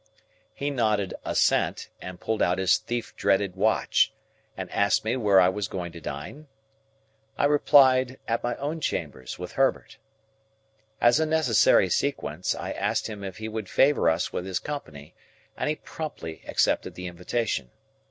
He nodded assent, and pulled out his thief dreaded watch, and asked me where I was going to dine? I replied at my own chambers, with Herbert. As a necessary sequence, I asked him if he would favour us with his company, and he promptly accepted the invitation.